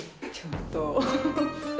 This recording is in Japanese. ちょっと。